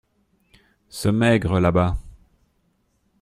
Ce maigre là-bas.